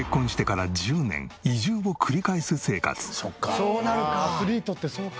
そうなんか。